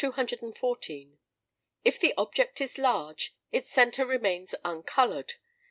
If the object is large, its centre remains uncoloured.